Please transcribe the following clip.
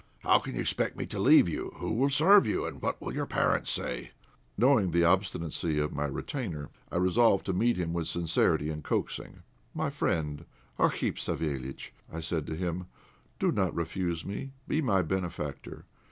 How can you expect me to leave you? Who will serve you, and what will your parents say?" Knowing the obstinacy of my retainer, I resolved to meet him with sincerity and coaxing. "My friend, Arkhip Savéliitch," I said to him, "do not refuse me. Be my benefactor.